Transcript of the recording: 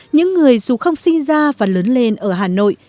những người dù không sinh ra và lớn lên ở hà nội